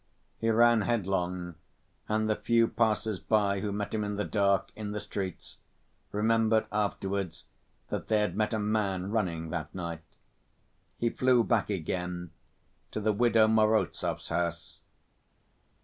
He ran headlong, and the few passers‐by who met him in the dark, in the streets, remembered afterwards that they had met a man running that night. He flew back again to the widow Morozov's house.